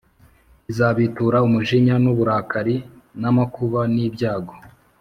izabitura umujinya n’uburakari n’amakuba n’ibyago